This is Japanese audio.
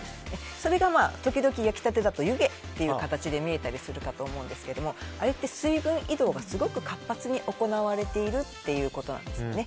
それが時々、焼きたてだと湯気という形で見えたりすると思うんですけどあれって、水分移動がすごく活発に行われているということなんですよね。